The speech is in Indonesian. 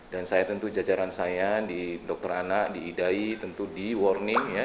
dan saya tentu jajaran saya di dokter anak di idai tentu di warning ya